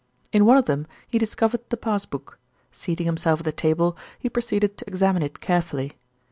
In one of them he discovered the pass book. Seating himself at the table, he proceeded to examine it carefully.